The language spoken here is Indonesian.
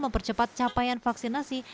mempercepat capaian vaksinasi